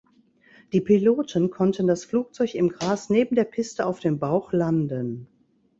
Die Piloten konnten das Flugzeug im Gras neben der Piste auf dem Bauch landen.